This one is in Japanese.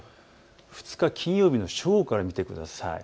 ２日、金曜日の正午から見てください。